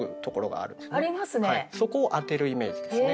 そこを当てるイメージですね。